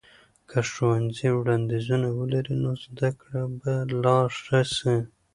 که ښوونځي وړاندیزونه ولري، نو زده کړه به لا ښه سي.